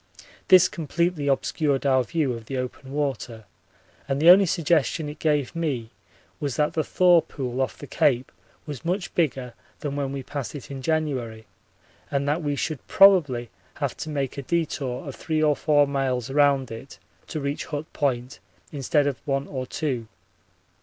This completely obscured our view of the open water, and the only suggestion it gave me was that the thaw pool off the Cape was much bigger than when we passed it in January and that we should probably have to make a detour of three or four miles round it to reach Hut Point instead of one or two.